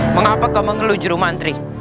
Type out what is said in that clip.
mengapa kau mengeluh juru mantri